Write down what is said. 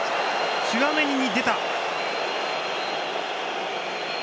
チュアメニに出た。